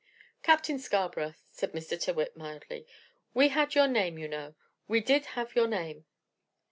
"Captain Scarborough," said Mr. Tyrrwhit, mildly, "we had your name, you know. We did have your name."